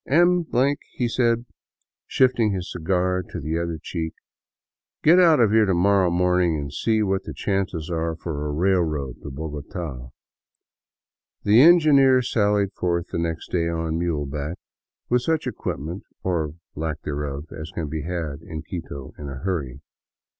" M ," he said, shifting his cigar to the other cheek, " get out of here to morrow morning and see what the chances are for a railroad to Bogota.'' The engineer sallied forth next day on muleback, with such equip ment or lack thereof as can be had in Quito in a hurry.